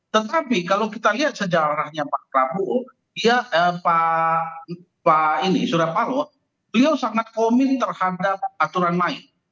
tetapi kalau kita lihat sejarahnya pak prabowo pak surya paloh beliau sangat komin terhadap aturan main